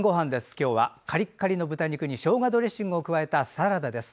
今日はカリカリの豚肉にしょうがドレッシングを加えたサラダです。